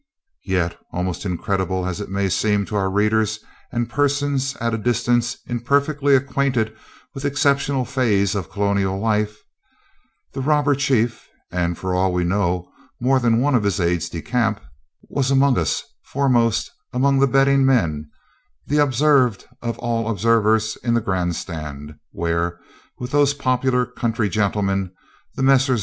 Yes, almost incredible as it may seem to our readers and persons at a distance imperfectly acquainted with exceptional phases of colonial life, the robber chief (and, for all we know, more than one of his aides de camp) was among us, foremost among the betting men, the observed of all observers in the grand stand, where, with those popular country gentlemen, the Messrs.